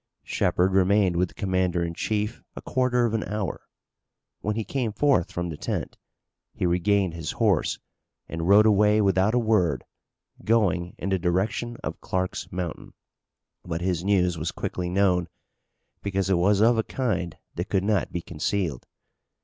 Shepard remained with the commander in chief a quarter of an hour. When he came forth from the tent he regained his horse and rode away without a word, going in the direction of Clark's Mountain. But his news was quickly known, because it was of a kind that could not be concealed.